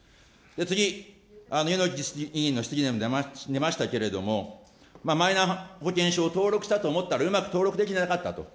次、柚木議員の質疑にもありましたけど、マイナ保険証、登録したと思ったらうまく登録できなかったと。